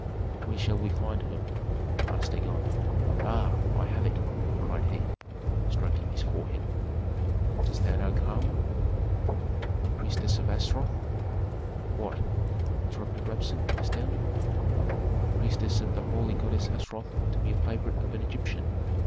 "Where shall we find her?" asked Dagon. "Ah, I have it!" cried he, stroking his forehead. "Dost thou know Kama, the priestess of Astaroth?" "What?" interrupted Rabsun, astounded. "The priestess of the holy goddess Astaroth to be a favorite of an Egyptian?"